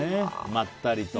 まったりと。